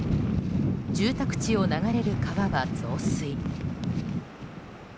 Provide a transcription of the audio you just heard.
住宅地を流れる川は増水。